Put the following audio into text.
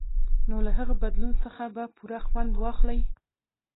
نو له هغه بدلون څخه به پوره خوند واخلئ.